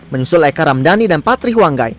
menyusul eka ramdhani dan patri wangga